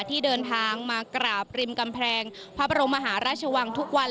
ที่เดินทางมากราบริมกำแพงพระบรมมหาราชวังทุกวัน